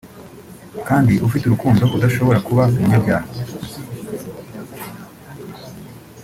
kandi ufite urukundo udashobora kuba umunyabyaha